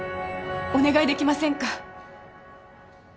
お願いできませんか？